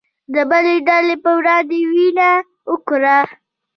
د بلې ډلې په وړاندې يې وينه وکړه